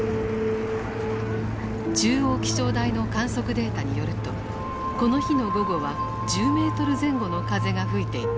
中央気象台の観測データによるとこの日の午後は１０ｍ前後の風が吹いていた。